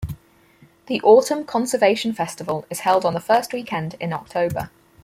The "Autumn Conservation Festival" is held on the first weekend in October.